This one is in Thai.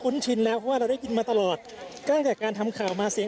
คุ้นชินแล้วเพราะว่าเราได้ยิงมาตลอดก็นักจากการทำข่าวมาเสียง